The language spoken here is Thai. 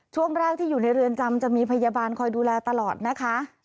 ช่วงแรกที่อยู่ในเรือนจำจะมีพยาบาลคอยดูแลตลอดนะคะ